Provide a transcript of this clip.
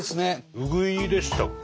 うぐいでしたっけ？